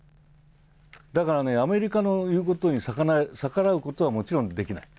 だからアメリカの言うことに逆らうことはもちろんできない。